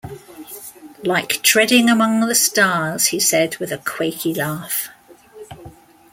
“Like treading among the stars,” he said, with a quaky laugh.